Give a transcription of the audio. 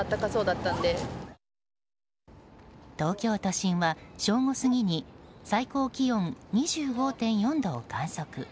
東京都心は正午過ぎに最高気温２５．４度を観測。